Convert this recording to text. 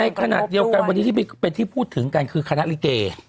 ในขณะเดียวกันวันนี้ที่เป็นที่พูดถึงกันคือคณะลิเก